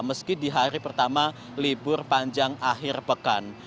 meski di hari pertama libur panjang akhir pekan